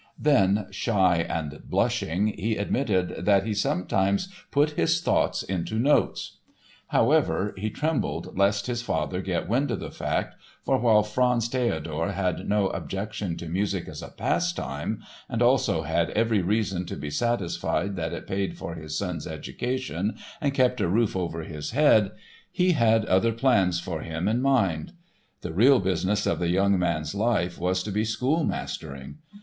Then, "shy and blushing," he admitted that he "sometimes put his thoughts into notes." However, he trembled lest his father get wind of the fact, for while Franz Theodor had no objection to music as a pastime and also had every reason to be satisfied that it paid for his son's education and kept a roof over his head, he had other plans for him in mind. The real business of the young man's life was to be schoolmastering.